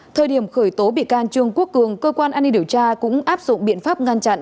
thời điểm khởi tố bị can trương quốc cường cơ quan an ninh điều tra cũng áp dụng biện pháp ngăn chặn